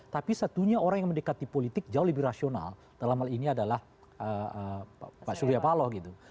tapi satunya orang yang mendekati politik jauh lebih rasional dalam hal ini adalah pak surya paloh gitu